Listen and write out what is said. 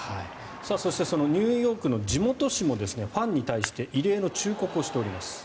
そしてそのニューヨークの地元紙もファンに対して異例の忠告をしております。